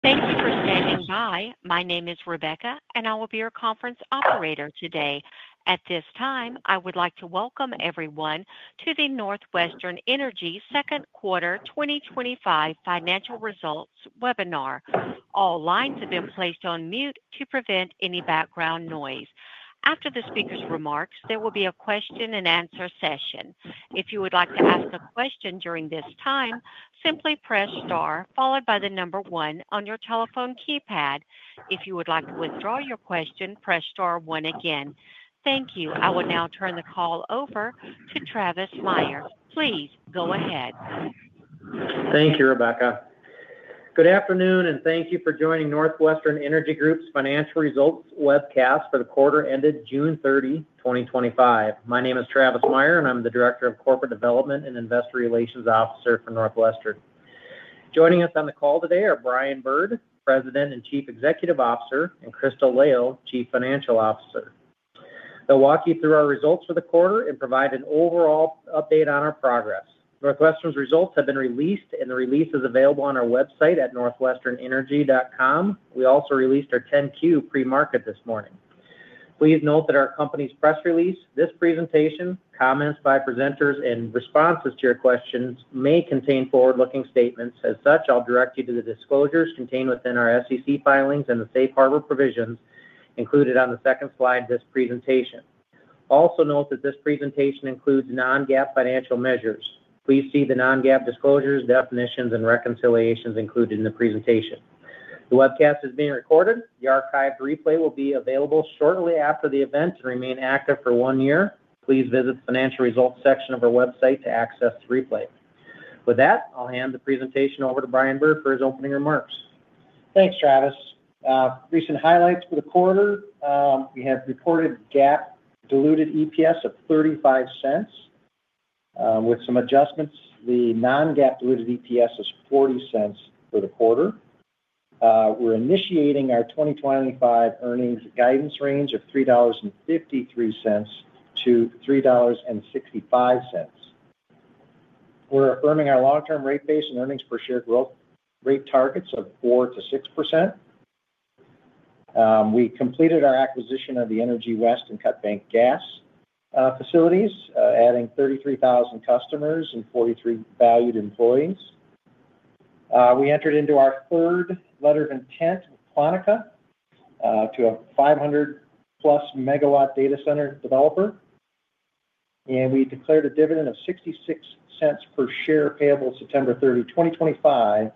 Thank you for standing by. My name is Rebecca, and I will be your conference operator today. At this time, I would like to welcome everyone to the NorthWestern Energy Second Quarter 2025 financial results webinar. All lines have been placed on mute to prevent any background noise. After the speaker's remarks, there will be a question-and-answer session. If you would like to ask a question during this time, simply press star followed by the number one on your telephone keypad. If you would like to withdraw your question, press star one again. Thank you. I will now turn the call over to Travis Meyer. Please go ahead. Thank you, Rebecca. Good afternoon, and thank you for joining NorthWestern Energy Group's Financial Results webcast for the quarter ended June 30, 2025. My name is Travis Meyer, and I'm the Director of Corporate Development and Investor Relations Officer for NorthWestern. Joining us on the call today are Brian Bird, President and Chief Executive Officer, and Crystal Lail, Chief Financial Officer. They'll walk you through our results for the quarter and provide an overall update on our progress. NorthWestern's results have been released, and the release is available on our website at northwesternenergy.com. We also released our 10-Q pre-market this morning. Please note that our company's press release, this presentation, comments by presenters, and responses to your questions may contain forward-looking statements. As such, I'll direct you to the disclosures contained within our SEC filings and the safe harbor provisions included on the second slide of this presentation. Also note that this presentation includes non-GAAP financial measures. Please see the non-GAAP disclosures, definitions, and reconciliations included in the presentation. The webcast is being recorded. The archived replay will be available shortly after the event and remain active for one year. Please visit the financial results section of our website to access the replay. With that, I'll hand the presentation over to Brian Bird for his opening remarks. Thanks, Travis. Recent highlights for the quarter. We have reported GAAP diluted EPS of $0.35. With some adjustments, the non-GAAP diluted EPS is $0.40 for the quarter. We're initiating our 2025 earnings guidance range of $3.53-$3.65. We're earning our long-term rate-based earnings per share growth rate targets of 4%-6%. We completed our acquisition of the Energy West and Cut Bank Gas facilities, adding 33,000 customers and 43 valued employees. We entered into our third letter of intent with Quantica, to a 500-plus megawatt data center developer. We declared a dividend of $0.66 per share payable September 30, 2025,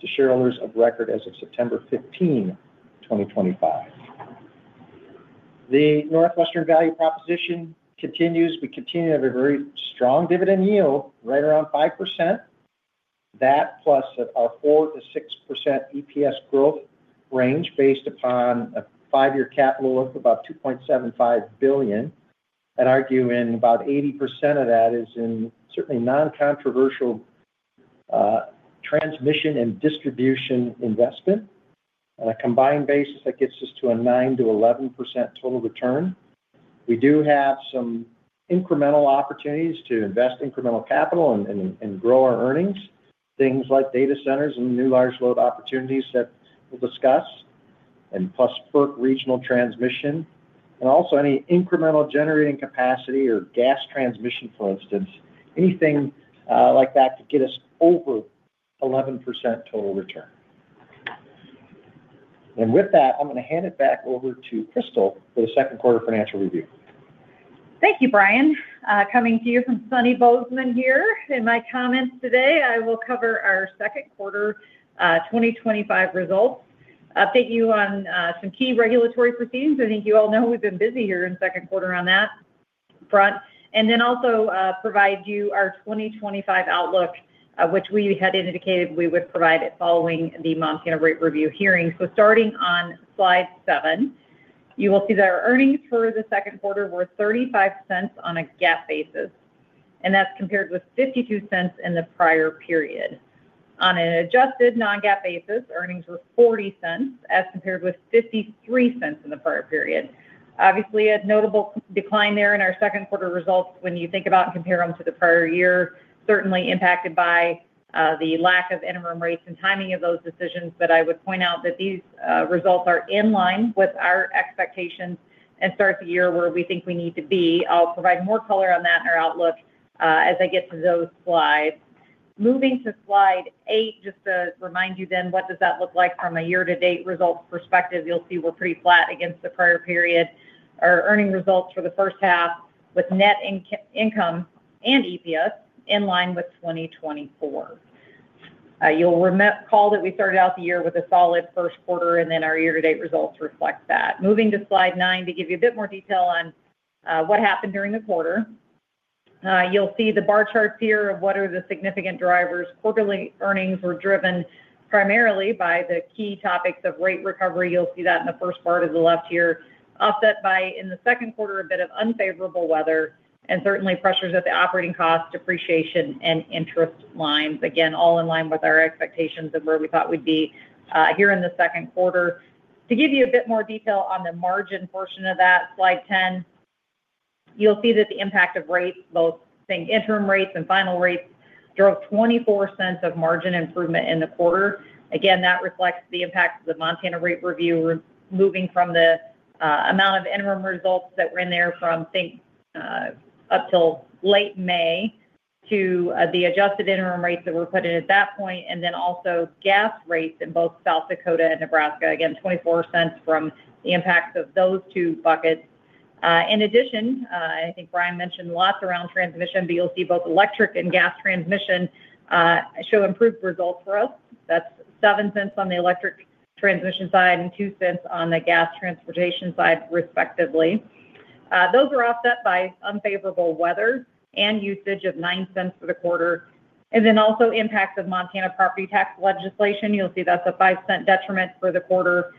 to shareholders of record as of September 15, 2025. The NorthWestern value proposition continues. We continue to have a very strong dividend yield, right around 5%. That plus our 4%-6% EPS growth range based upon a five-year capital of about $2.75 billion. I'd argue in about 80% of that is in certainly non-controversial transmission and distribution investment. On a combined basis, that gets us to a 9%-11% total return. We do have some incremental opportunities to invest incremental capital and grow our earnings, things like data centers and new large load opportunities that we'll discuss, plus per regional transmission. Also any incremental generating capacity or gas transmission, for instance, anything like that to get us over 11% total return. With that, I'm going to hand it back over to Crystal for the second quarter financial review. Thank you, Brian. Coming to you from sunny Bozeman here. In my comments today, I will cover our second quarter 2025 results, update you on some key regulatory proceedings. I think you all know we've been busy here in the second quarter on that front. I will also provide you our 2025 outlook, which we had indicated we would provide following the Montana rate review hearing. Starting on slide seven, you will see that our earnings for the second quarter were $0.35 on a GAAP basis, and that's compared with $0.52 in the prior period. On an adjusted non-GAAP basis, earnings were $0.40 as compared with $0.53 in the prior period. Obviously, a notable decline there in our second quarter results when you think about and compare them to the prior year, certainly impacted by the lack of interim rates and timing of those decisions. I would point out that these results are in line with our expectations and start the year where we think we need to be. I'll provide more color on that in our outlook as I get to those slides. Moving to slide eight, just to remind you then what does that look like from a year-to-date results perspective, you'll see we're pretty flat against the prior period. Our earning results for the first half with net income and EPS in line with 2024. You'll recall that we started out the year with a solid first quarter, and our year-to-date results reflect that. Moving to slide nine to give you a bit more detail on what happened during the quarter. You'll see the bar charts here of what are the significant drivers. Quarterly earnings were driven primarily by the key topics of rate recovery. You'll see that in the first part of the left here, offset by in the second quarter a bit of unfavorable weather, and certainly pressures at the operating cost, depreciation, and interest lines. Again, all in line with our expectations of where we thought we'd be here in the second quarter. To give you a bit more detail on the margin portion of that, slide 10, you'll see that the impact of rates, both interim rates and final rates, drove $0.24 of margin improvement in the quarter. That reflects the impact of the Montana rate review moving from the amount of interim results that were in there from up till late May to the adjusted interim rates that were put in at that point, and also gas rates in both South Dakota and Nebraska. $0.24 from the impacts of those two buckets. In addition, I think Brian mentioned lots around transmission, but you'll see both electric and gas transmission show improved results for us. That's $0.07 on the electric transmission side and $0.02 on the gas transportation side, respectively. Those are offset by unfavorable weather and usage of $0.09 for the quarter. There are also impacts of Montana property tax legislation. You'll see that's a $0.05 detriment for the quarter.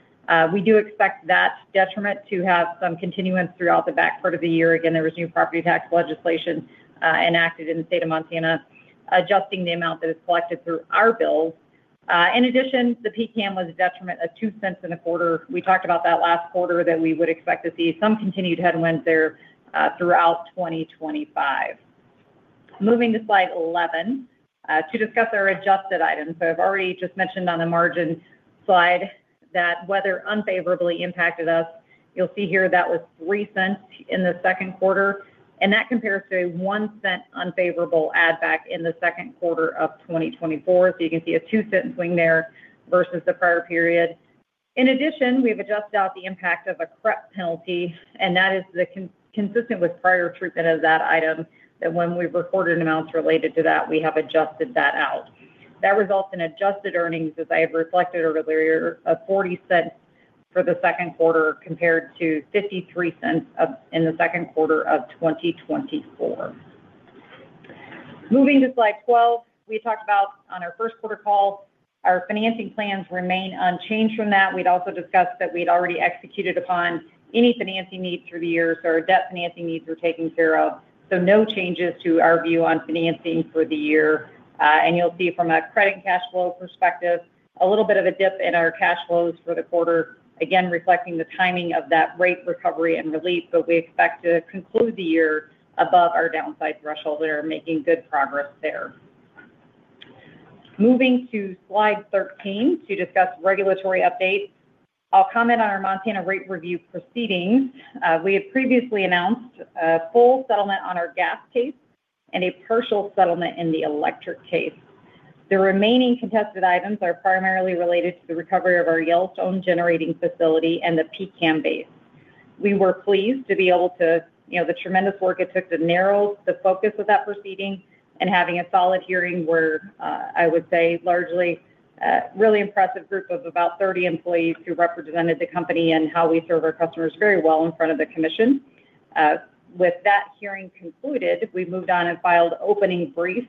We do expect that detriment to have some continuance throughout the back part of the year. There was new property tax legislation enacted in the state of Montana, adjusting the amount that is collected through our bills. In addition, the PCAM was a detriment of $0.02 in the quarter. We talked about that last quarter that we would expect to see some continued headwinds there throughout 2025. Moving to slide 11 to discuss our adjusted items. I've already just mentioned on the margin slide that weather unfavorably impacted us. You'll see here that was $0.03 in the second quarter, and that compares to a $0.01 unfavorable add-back in the second quarter of 2024. You can see a $0.02 swing there versus the prior period. In addition, we have adjusted out the impact of a CREP penalty, and that is consistent with prior treatment of that item, that when we've recorded amounts related to that, we have adjusted that out. That results in adjusted earnings, as I have reflected earlier, of $0.40 for the second quarter compared to $0.53 in the second quarter of 2024. Moving to slide 12, we talked about on our first quarter call, our financing plans remain unchanged from that. We'd also discussed that we'd already executed upon any financing needs through the year, so our debt financing needs were taken care of. No changes to our view on financing for the year. You'll see from a credit and cash flow perspective, a little bit of a dip in our cash flows for the quarter, again reflecting the timing of that rate recovery and release, but we expect to conclude the year above our downside threshold. We are making good progress there. Moving to slide 13 to discuss regulatory updates, I'll comment on our Montana rate review proceedings. We had previously announced a full settlement on our gas case and a partial settlement in the electric case. The remaining contested items are primarily related to the recovery of our Yellowstone generating facility and the PCAM base. We were pleased to be able to, you know, the tremendous work it took to narrow the focus of that proceeding and having a solid hearing where, I would say largely, really impressive group of about 30 employees who represented the company and how we serve our customers very well in front of the commission. With that hearing concluded, we moved on and filed opening briefs,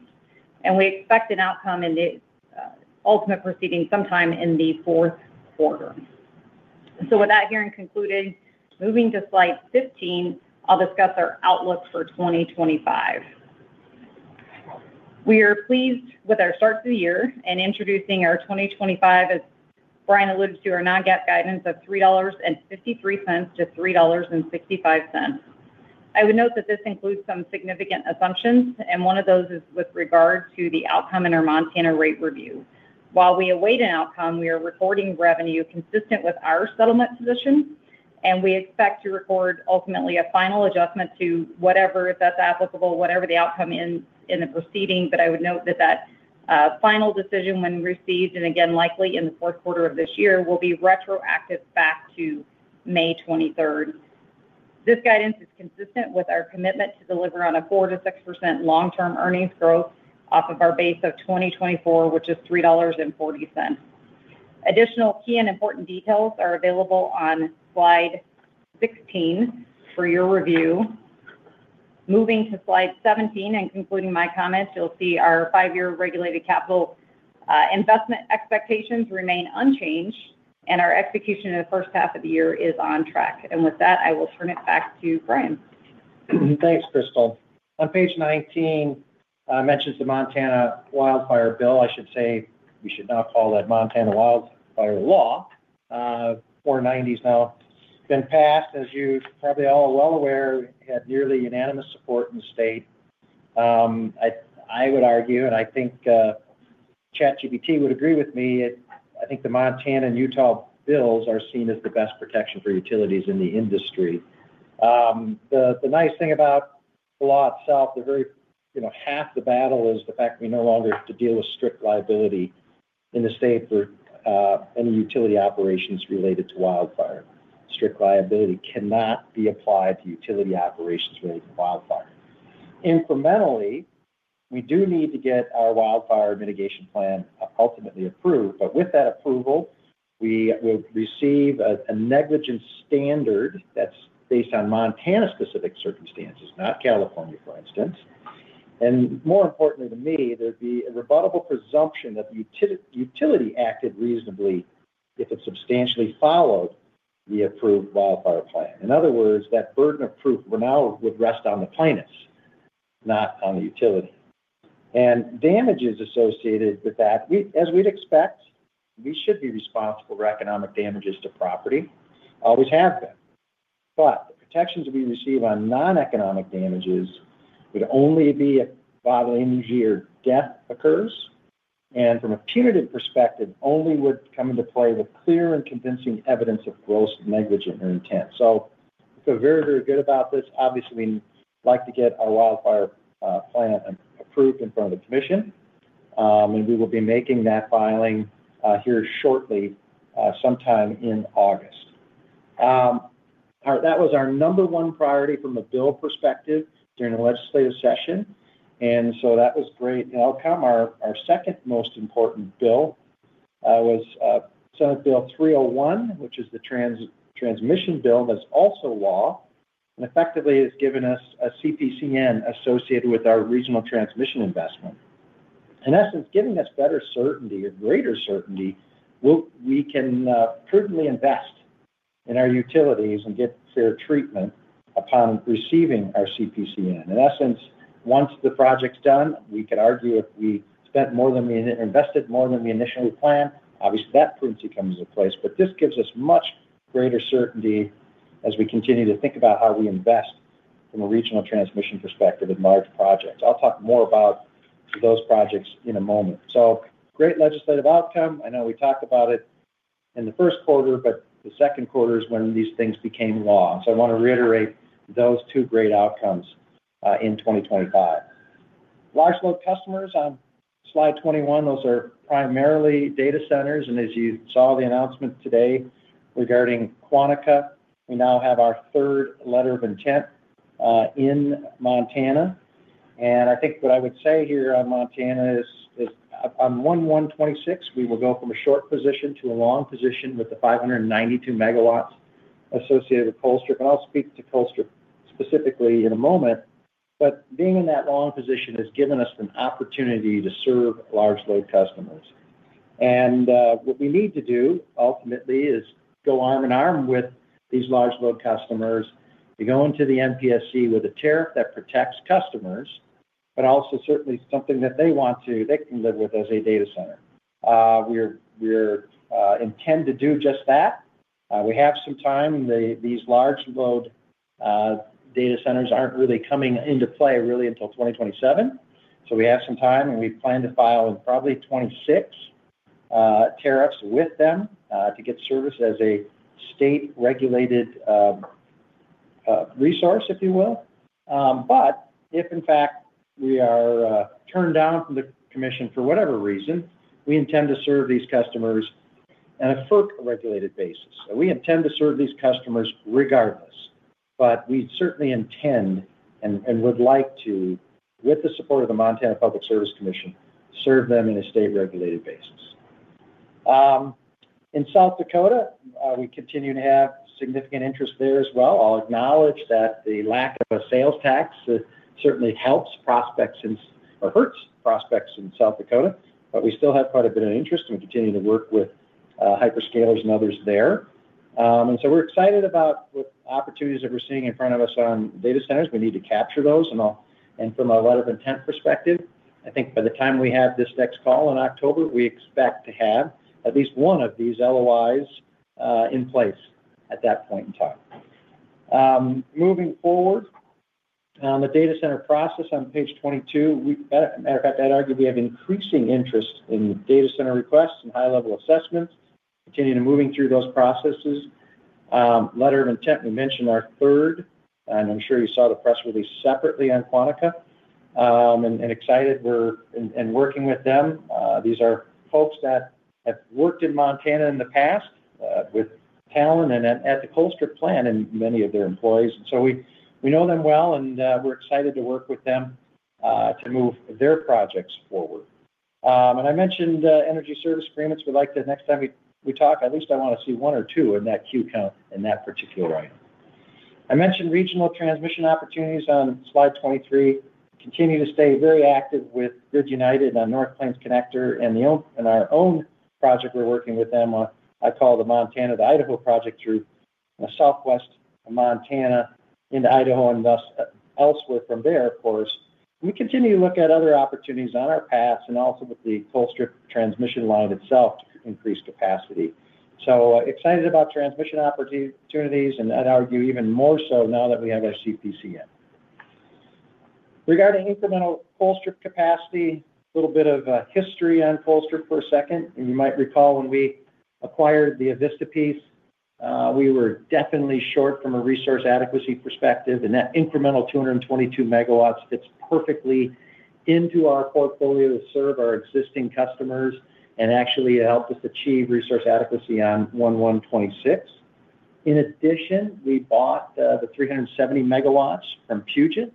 and we expect an outcome in the ultimate proceeding sometime in the fourth quarter. With that hearing concluded, moving to slide 15, I'll discuss our outlook for 2025. We are pleased with our start to the year and introducing our 2025, as Brian alluded to, our non-GAAP guidance of $3.53-$3.65. I would note that this includes some significant assumptions, and one of those is with regard to the outcome in our Montana rate review. While we await an outcome, we are recording revenue consistent with our settlement position, and we expect to record ultimately a final adjustment to whatever that's applicable, whatever the outcome is in the proceeding. I would note that that final decision when received, and again, likely in the fourth quarter of this year, will be retroactive back to May 23rd. This guidance is consistent with our commitment to deliver on a 4%-6% long-term earnings growth off of our base of 2024, which is $3.40. Additional key and important details are available on slide 16 for your review. Moving to slide 17 and concluding my comments, you'll see our five-year regulated capital investment expectations remain unchanged, and our execution in the first half of the year is on track. With that, I will turn it back to Brian. Thanks, Crystal. On page 19, I mentioned the Montana wildfire bill. I should say, we should not call that Montana wildfire law. 490's now been passed, as you're probably all well aware, had nearly unanimous support in the state. I would argue, and I think ChatGPT would agree with me, I think the Montana and Utah bills are seen as the best protection for utilities in the industry. The nice thing about the law itself, the very, you know, half the battle is the fact that we no longer have to deal with strict liability in the state for any utility operations related to wildfire. Strict liability cannot be applied to utility operations related to wildfire. Incrementally, we do need to get our wildfire mitigation plan ultimately approved. With that approval, we will receive a negligence standard that's based on Montana-specific circumstances, not California, for instance. More importantly to me, there'd be a rebuttable presumption that the utility acted reasonably if it substantially followed the approved wildfire plan. In other words, that burden of proof now would rest on the plaintiffs, not on the utility. Damages associated with that, as we'd expect, we should be responsible for economic damages to property, always have been. The protections we receive on non-economic damages would only be if bodily injury or death occurs. From a punitive perspective, only would come into play with clear and convincing evidence of gross negligent intent. We feel very, very good about this. Obviously, we'd like to get our wildfire plan approved in front of the commission, and we will be making that filing here shortly, sometime in August. That was our number one priority from a bill perspective during the legislative session. That was a great outcome. Our second most important bill was Senate Bill 301, which is the transmission bill that's also law. Effectively, it's given us a CPCN associated with our regional transmission investment. In essence, giving us better certainty or greater certainty, we can prudently invest in our utilities and get fair treatment upon receiving our CPCN. In essence, once the project's done, we could argue if we spent more than we invested more than we initially planned. Obviously, that prudency comes into place, but this gives us much greater certainty as we continue to think about how we invest from a regional transmission perspective in large projects. I'll talk more about those projects in a moment. Great legislative outcome. I know we talked about it in the first quarter, but the second quarter is when these things became law. I want to reiterate those two great outcomes, in 2025. Large load customers on slide 21, those are primarily data centers. As you saw the announcement today regarding Quantica, we now have our third letter of intent in Montana. I think what I would say here on Montana is, on 1/1/2026, we will go from a short position to a long position with the 592 megawatts associated with Colstrip. I'll speak to Colstrip specifically in a moment. Being in that long position has given us an opportunity to serve large load customers. What we need to do ultimately is go arm in arm with these large load customers to go into the MPSC a tariff that protects customers, but also certainly something that they want to, they can live with as a data center. We intend to do just that. We have some time. These large load data centers aren't really coming into play until 2027. We have some time, and we plan to file in probably 2026, tariffs with them, to get service as a state-regulated resource, if you will. If in fact we are turned down from the commission for whatever reason, we intend to serve these customers on a FERC-regulated basis. We intend to serve these customers regardless. We certainly intend and would like to, with the support of the Montana Public Service Commission, serve them in a state-regulated basis. In South Dakota, we continue to have significant interest there as well. I'll acknowledge that the lack of a sales tax certainly helps prospects or hurts prospects in South Dakota, but we still have quite a bit of interest, and we continue to work with hyperscalers and others there. We're excited about what opportunities that we're seeing in front of us on data centers. We need to capture those. From a letter of intent perspective, I think by the time we have this next call in October, we expect to have at least one of these LOIs in place at that point in time. Moving forward on the data center process on page 22, as a matter of fact, I'd argue we have increasing interest in data center requests and high-level assessments. Continue to move through those processes. Letter of intent, we mentioned our third, and I'm sure you saw the press release separately on Quantica. Excited we're working with them. These are folks that have worked in Montana in the past, with talent and at the Colstrip plant and many of their employees. We know them well, and we're excited to work with them to move their projects forward. I mentioned the energy service agreements. We'd like to, next time we talk, at least I want to see one or two in that queue count in that particular item. I mentioned regional transmission opportunities on slide 23. We continue to stay very active with Grid United on North Plains Connector and our own project we're working with them on. I call the Montana, the Idaho project through the southwest of Montana into Idaho and thus elsewhere from there, of course. We continue to look at other opportunities on our paths and also with the Colstrip transmission line itself to increase capacity. Excited about transmission opportunities, and I'd argue even more so now that we have our CPCN. Regarding incremental Colstrip capacity, a little bit of a history on Colstrip for a second. You might recall when we acquired the Avista piece, we were definitely short from a resource adequacy perspective. That incremental 222 megawatts fits perfectly into our portfolio to serve our existing customers and actually helped us achieve resource adequacy on 1/1/2026. In addition, we bought the 370 MW from Puget,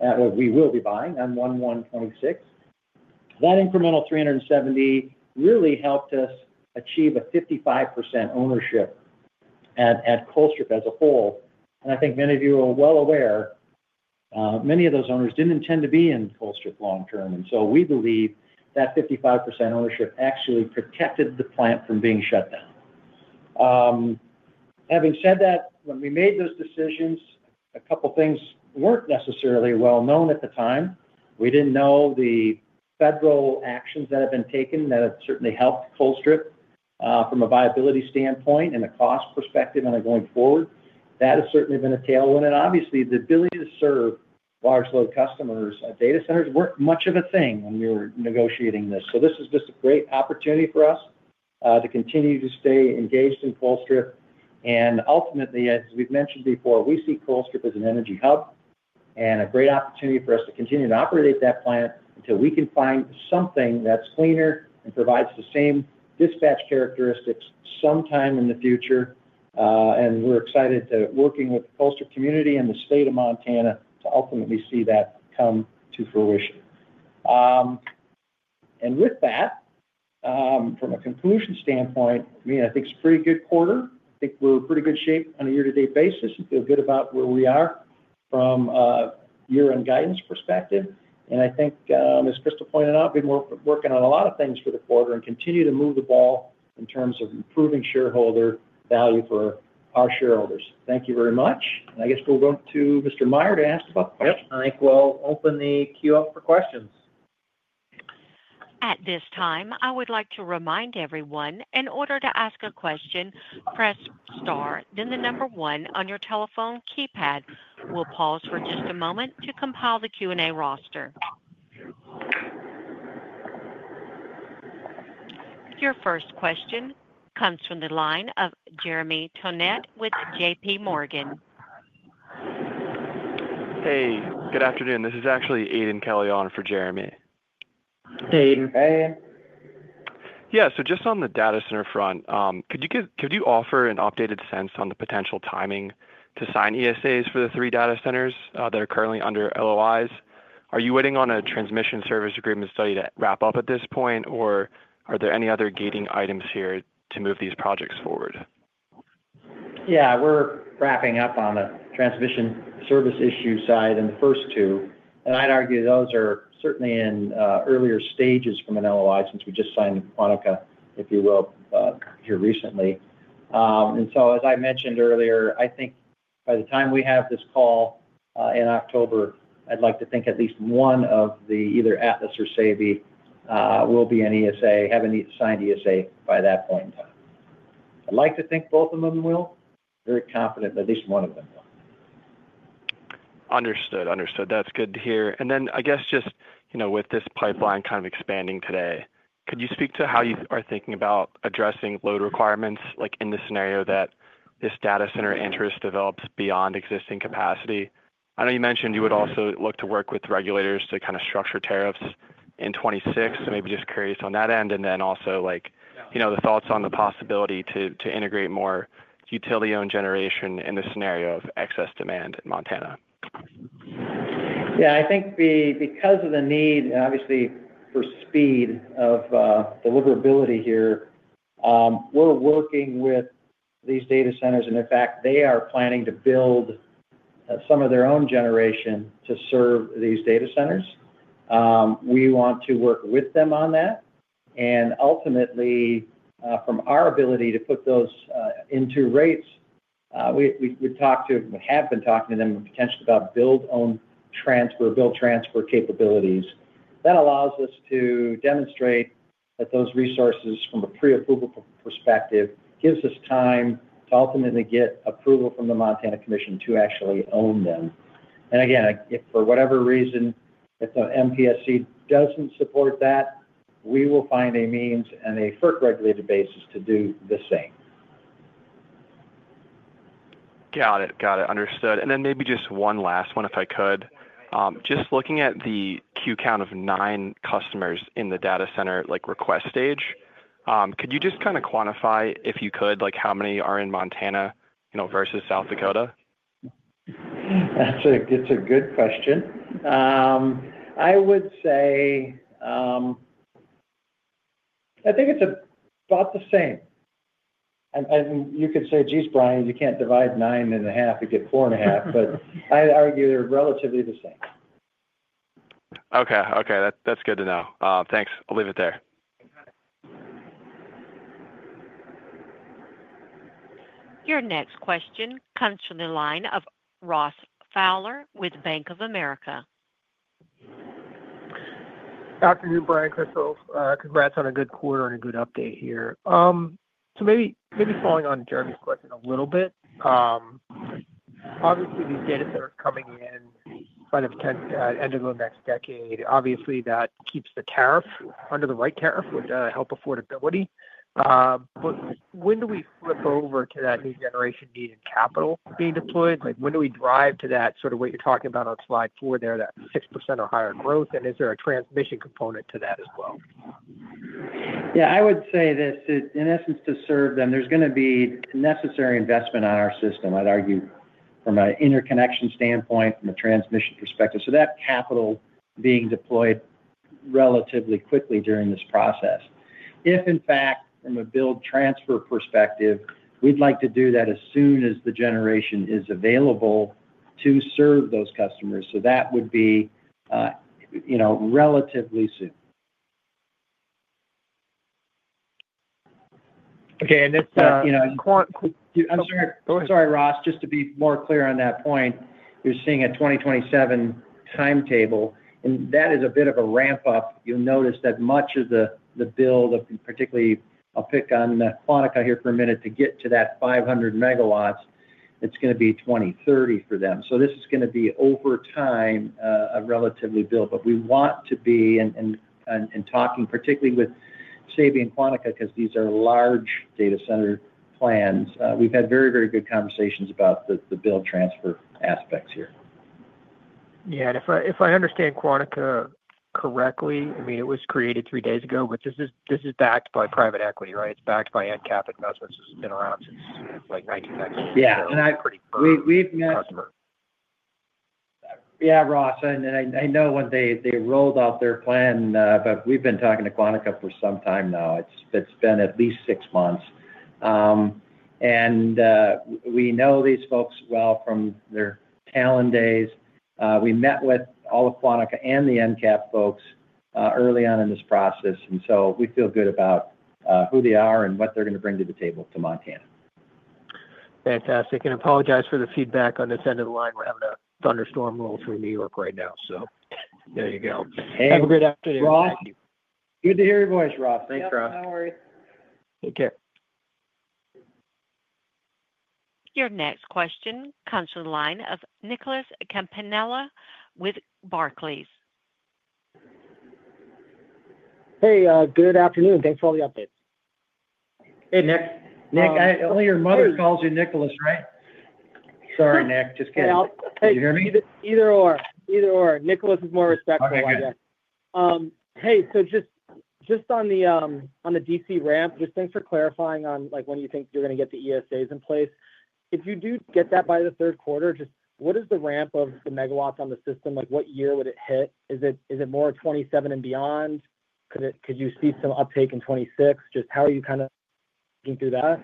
and we will be buying on 1/1/2026. That incremental 370 really helped us achieve a 55% ownership at Colstrip as a whole. I think many of you are well aware, many of those owners didn't intend to be in Colstrip long term. We believe that 55% ownership actually protected the plant from being shut down. Having said that, when we made those decisions, a couple of things weren't necessarily well known at the time. We didn't know the federal actions that have been taken that have certainly helped Colstrip from a viability standpoint and a cost perspective on it going forward. That has certainly been a tailwind. Obviously, the ability to serve large load customers at data centers weren't much of a thing when we were negotiating this. This is just a great opportunity for us to continue to stay engaged in Colstrip. Ultimately, as we've mentioned before, we see Colstrip as an energy hub and a great opportunity for us to continue to operate that plant until we can find something that's cleaner and provides the same dispatch characteristics sometime in the future. We're excited to work with the Colstrip community and the state of Montana to ultimately see that come to fruition. From a conclusion standpoint, I think it's a pretty good quarter. I think we're in pretty good shape on a year-to-date basis and feel good about where we are from a year-end guidance perspective. I think, as Crystal pointed out, we've been working on a lot of things for the quarter and continue to move the ball in terms of improving shareholder value for our shareholders. Thank you very much. We'll go to Mr. Meyer to ask about the questions. I think we'll open the queue up for questions. At this time, I would like to remind everyone, in order to ask a question, press star, then the number one on your telephone keypad. We'll pause for just a moment to compile the Q&A roster. Your first question comes from the line of Jeremy Tonet with JPMorgan. Hey, good afternoon. This is actually Aidan Kelly in for Jeremy. Hey, Aiden. Hey. On the data center front, could you offer an updated sense on the potential timing to sign energy service agreements for the three data centers that are currently under letters of intent? Are you waiting on a transmission service agreement study to wrap up at this point, or are there any other gating items here to move these projects forward? Yeah. We're wrapping up on the transmission service issue side in the first two. I'd argue those are certainly in earlier stages from an LOI since we just signed Quantica here recently. As I mentioned earlier, I think by the time we have this call in October, I'd like to think at least one of either Atlas or Saby will be an ESA, have a signed ESA by that point in time. I'd like to think both of them will. Very confident that at least one of them will. Understood. That's good to hear. I guess just, you know, with this pipeline kind of expanding today, could you speak to how you are thinking about addressing load requirements, like in the scenario that this data center interest develops beyond existing capacity? I know you mentioned you would also look to work with regulators to kind of structure tariffs in 2026. Maybe just curious on that end. Also, like, you know, the thoughts on the possibility to integrate more utility-owned generation in the scenario of excess demand in Montana. Yeah. I think because of the need, obviously, for speed of deliverability here, we're working with these data centers. In fact, they are planning to build some of their own generation to serve these data centers. We want to work with them on that. Ultimately, from our ability to put those into rates, we have been talking to them potentially about build-transfer capabilities. That allows us to demonstrate that those resources from a pre-approval perspective give us time to ultimately get approval from the Montana Public Service Commission to actually own them. If, for whatever reason, if the MPSC doesn't support that, we will find a means and a FERC-regulated basis to do the same. Understood. Maybe just one last one, if I could. Just looking at the queue count of nine customers in the data center request stage, could you just kind of quantify, if you could, how many are in Montana versus South Dakota? That's a good question. I would say, I think it's about the same. You could say, geez, Brian, you can't divide 9.5 to get 4.5, but I'd argue they're relatively the same. Okay. That's good to know. Thanks. I'll leave it there. Your next question comes from the line of Ross Fowler with Bank of America. Afternoon, Brian, Crystal. Congrats on a good quarter and a good update here. Maybe following on Jeremy's question a little bit. Obviously, these data centers coming in by the end of the next decade, that keeps the tariff under the right tariff, which helps affordability. When do we flip over to that new generation needed capital being deployed? When do we drive to that sort of what you're talking about on slide four there, that 6% or higher growth? Is there a transmission component to that as well? I would say this, in essence, to serve them, there's going to be a necessary investment on our system, I'd argue, from an interconnection standpoint, from a transmission perspective. That capital being deployed relatively quickly during this process. If in fact, from a build-transfer perspective, we'd like to do that as soon as the generation is available to serve those customers. That would be, you know, relatively soon. Okay, I'm sorry. Go ahead. Sorry, Ross, just to be more clear on that point. You're seeing a 2027 timetable, and that is a bit of a ramp-up. You'll notice that much of the build, particularly, I'll pick on Quantica here for a minute to get to that 500 MW. It's going to be 2030 for them. This is going to be, over time, a relatively build. We want to be, and talking particularly with Saby and Quantica because these are large data center plans. We've had very, very good conversations about the build-transfer aspects here. If I understand Quantica correctly, I mean, it was created three days ago, but this is backed by private equity, right? It's backed by NCAP Investments. This has been around since like 1996. I'm pretty firm in that customer. Yeah, Ross. I know when they rolled out their plan, but we've been talking to Quantica for some time now. It's been at least six months, and we know these folks well from their talent days. We met with all the Quantica and the NCAP folks early on in this process, and we feel good about who they are and what they're going to bring to the table to Montana. Fantastic. I apologize for the feedback on this end of the line. We're having a thunderstorm roll through New York right now, so there you go. Have a great afternoon. Hey, Ross. Thank you. Good to hear your voice, Ross. Thanks, Ross. Yeah, no worries. Take care. Your next question comes from the line of Nicholas Campanella with Barclays. Hey, good afternoon. Thanks for all the updates. Hey, Nick. Only your mother calls you Nicholas, right? Sorry, Nick. Just kidding. Can you hear me? Either/or. Either/or. Nicholas Campanella is more respectful, I guess. No worries. Just on the DC ramp, thanks for clarifying on when you think you're going to get the ESAs in place. If you do get that by the third quarter, what is the ramp of the megawatts on the system? What year would it hit? Is it more 2027 and beyond? Could you see some uptake in 2026? How are you kind of thinking through that?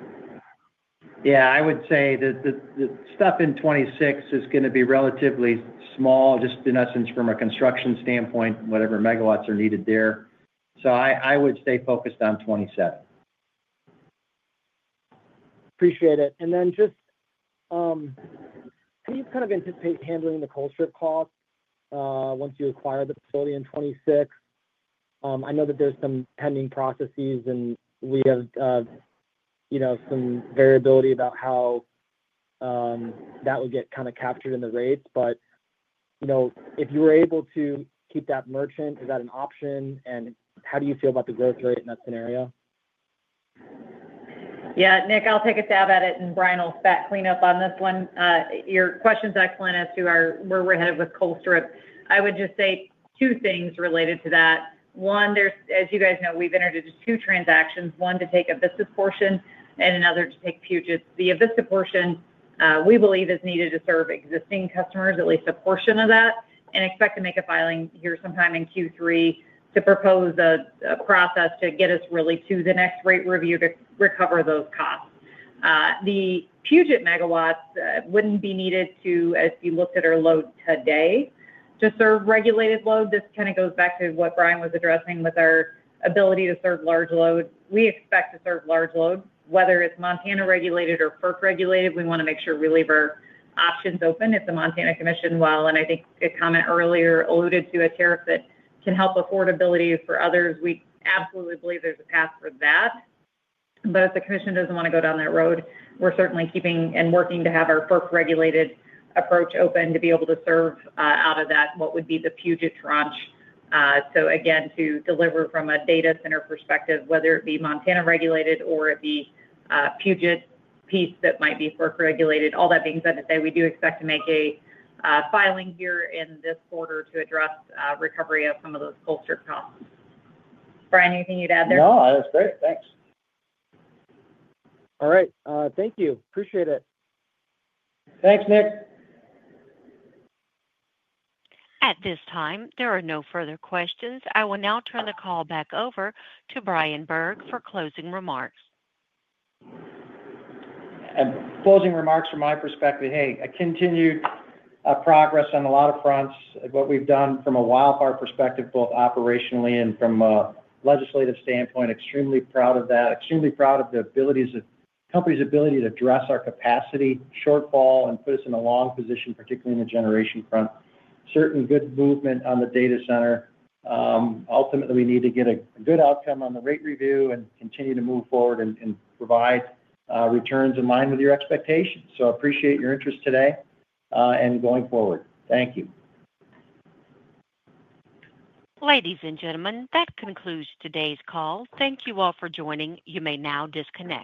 Yeah. I would say that the stuff in 2026 is going to be relatively small, just in essence, from a construction standpoint, whatever megawatts are needed there. I would stay focused on 2027. Appreciate it. How do you kind of anticipate handling the Colstrip cost, once you acquire the facility in 2026? I know that there's some pending processes, and we have some variability about how that would get kind of captured in the rates. If you were able to keep that merchant, is that an option? How do you feel about the growth rate in that scenario? Yeah. Nick, I'll take a stab at it, and Brian will clean up on this one. Your question's excellent as to where we're headed with Colstrip. I would just say two things related to that. One, as you guys know, we've entered into two transactions, one to take a business portion and another to take Puget. The Avista portion, we believe, is needed to serve existing customers, at least a portion of that, and expect to make a filing here sometime in Q3 to propose a process to get us really to the next rate review to recover those costs. The Puget megawatts wouldn't be needed to, as you looked at our load today, to serve regulated load. This kind of goes back to what Brian was addressing with our ability to serve large load. We expect to serve large load, whether it's Montana regulated or FERC regulated. We want to make sure we leave our options open. If the Montana Commission, and I think a comment earlier alluded to a tariff that can help affordability for others, we absolutely believe there's a path for that. If the commission doesn't want to go down that road, we're certainly keeping and working to have our FERC regulated approach open to be able to serve out of that what would be the Puget tranche. Again, to deliver from a data center perspective, whether it be Montana regulated or it be a Puget piece that might be FERC regulated. All that being said, I'd say we do expect to make a filing here in this quarter to address recovery of some of those Colstrip costs. Brian, anything you'd add there? No, that was great. Thanks. All right. Thank you. Appreciate it. Thanks, Nick. At this time, there are no further questions. I will now turn the call back over to Brian Bird for closing remarks. Closing remarks from my perspective: continued progress on a lot of fronts. What we've done from a wildfire perspective, both operationally and from a legislative standpoint, extremely proud of that. Extremely proud of the company's ability to address our capacity shortfall and put us in a long position, particularly in the generation front. Certain good movement on the data center. Ultimately, we need to get a good outcome on the rate review and continue to move forward and provide returns in line with your expectations. I appreciate your interest today and going forward. Thank you. Ladies and gentlemen, that concludes today's call. Thank you all for joining. You may now disconnect.